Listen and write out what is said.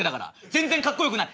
全然かっこよくない。